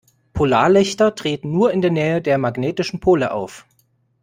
Polarlichter treten nur in der Nähe der magnetischen Pole auf.